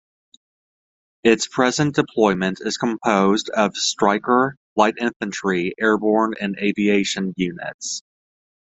Its present deployment is composed of Stryker, light infantry, airborne, and aviation units.